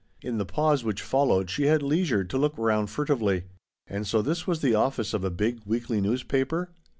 In the pause which followed she had lei sure to look round furtively. And so this was the office of a big weekly newspaper?